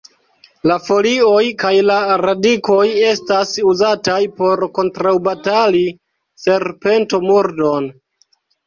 La folioj kaj la radikoj estas uzataj por kontraŭbatali serpento-murdon.